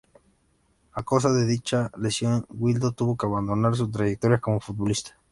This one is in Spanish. A causa de dicha lesión Giuliano tuvo que abandonar su trayectoria como futbolista.